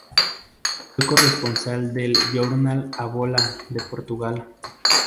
Fue corresponsal del "Journal A bola" de Portugal.